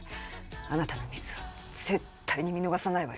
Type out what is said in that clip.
あなたのミスは絶対に見逃さないわよ。